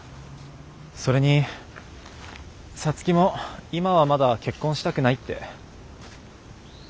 それに皐月も今はまだ結婚したくないって。